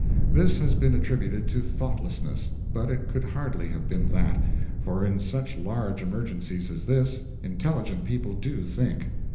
This has been attributed to thoughtlessness, but it could hardly have been that, for in such large emergencies as this, intelligent people do think.